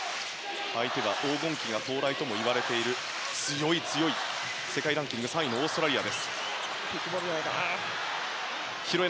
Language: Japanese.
相手は黄金期が到来ともいわれている強い強い、世界ランキング３位のオーストラリア。